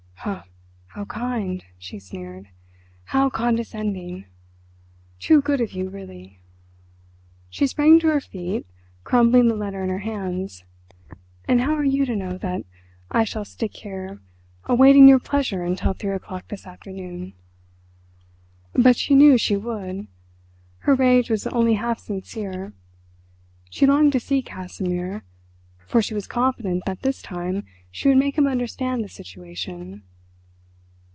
"Huh! how kind!" she sneered; "how condescending. Too good of you, really!" She sprang to her feet, crumbling the letter in her hands. "And how are you to know that I shall stick here awaiting your pleasure until three o'clock this afternoon?" But she knew she would; her rage was only half sincere. She longed to see Casimir, for she was confident that this time she would make him understand the situation....